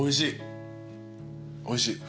おいしい。